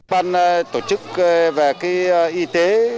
ban tổ chức về y tế